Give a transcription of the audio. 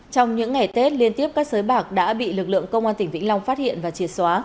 trong những ngày tết liên tiếp các sới bạc đã bị lực lượng công an tỉnh vĩnh long phát hiện và triệt xóa